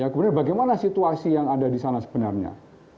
kemudian bagaimana situasi yang ada di sana sebenarnya